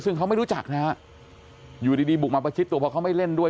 ซึ่งเขาไม่รู้จักนะฮะอยู่ดีบุกมาประชิดตัวเพราะเขาไม่เล่นด้วย